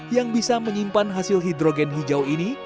yang bisa menyimpan hasil hidrogen hijau ini